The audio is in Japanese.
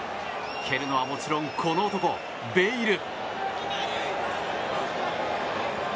蹴るのはもちろんこの男ベイル。